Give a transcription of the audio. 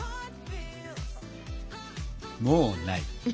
もうない！